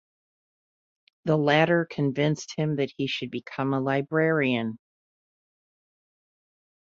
The latter convinced him that he should become a librarian.